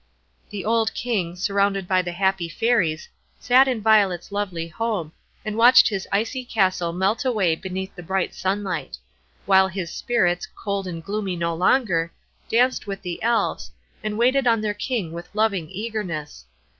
The old King, surrounded by the happy Fairies, sat in Violet's lovely home, and watched his icy castle melt away beneath the bright sunlight; while his Spirits, cold and gloomy no longer, danced with the Elves, and waited on their King with loving eagerness.